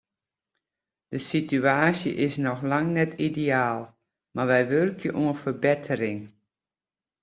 De situaasje is noch lang net ideaal, mar wy wurkje oan ferbettering.